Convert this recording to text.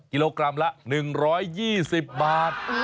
กิโลกรัมละ๑๒๐บาท